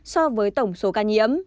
so với tổng số ca nhiễm